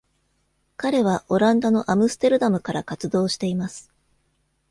彼はオランダのアムステルダムから活動しています。